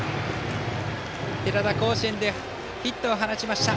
寺田、甲子園でヒットを放ちました。